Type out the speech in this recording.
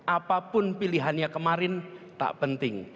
apapun pilihannya kemarin tak penting